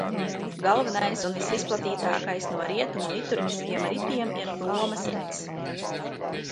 Galvenais un visizplatītākais no rietumu liturģiskiem ritiem ir Romas rits.